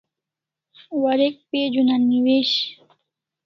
Warek page una newishi